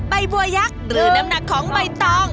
ใบบัวยักษ์หรือน้ำหนักของใบตอง